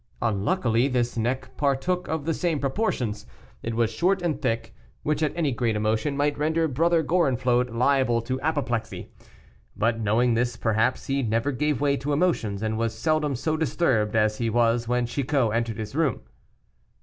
Unluckily this neck partook of the same proportions; it was short and thick, which at any great emotion might render Brother Gorenflot liable to apoplexy. But knowing this, perhaps, he never gave way to emotions, and was seldom so disturbed as he was when Chicot entered his room.